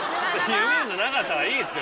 指の長さはいいんですよ